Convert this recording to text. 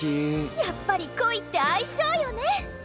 やっぱり恋って相性よね？